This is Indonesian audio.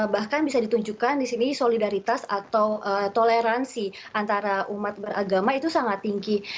bahkan bisa ditunjukkan di sini solidaritas atau toleransi antara umat beragama itu sangat tinggi